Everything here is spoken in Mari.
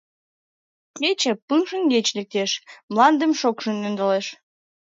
Кече пыл шеҥгеч лектеш, Мландым шокшын ӧндалеш.